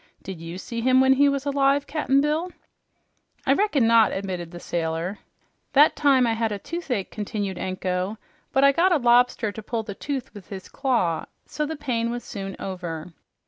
Did you see him when he was alive, Cap'n Bill?" "I reckon not," admitted the sailor. "That time I had a toothache," continued Anko, "but I got a lobster to pull the tooth with his claw, so the pain was soon over."